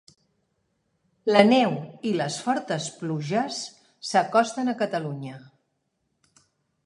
La neu i les fortes pluges s'acosten a Catalunya